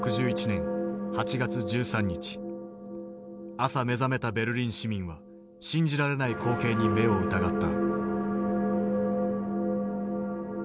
朝目覚めたベルリン市民は信じられない光景に目を疑った。